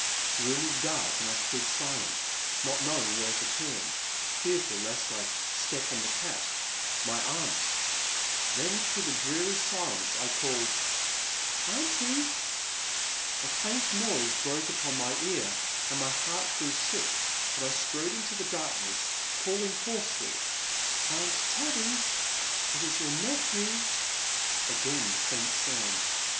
The room was dark and I stood silent, not knowing where to turn, fearful lest I step on the cat, my aunt I Then through the dreary silence I called ;Aunty !*' A faint noise broke upon my ear, and my heart grew sick, but I strode into the darkness calling hoarsely :— The Man at the Next Table. 401 " Aunt Tabby ! it is your nephew !'* Again the faint sound.